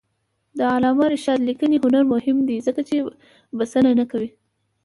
د علامه رشاد لیکنی هنر مهم دی ځکه چې بسنه نه کوي.